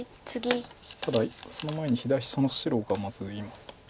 ただその前に左下の白がまず今。